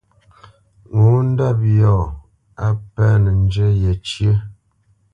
Ŋo ndɔ́p yɔ̂ á pɛ́nǝ zhǝ yecǝ́.